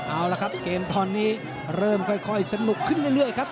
เอาละครับเกมตอนนี้เริ่มค่อยสนุกขึ้นเรื่อยครับ